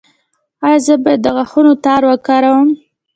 ایا زه باید د غاښونو تار وکاروم؟